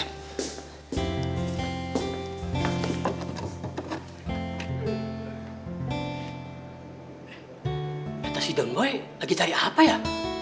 ternyata si don boy lagi cari apa ya